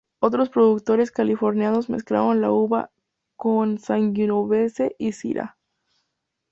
Otros productores californianos mezclaron la uva con sangiovese y syrah.